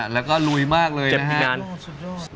แล้วก็รุยมากเลยนะครับ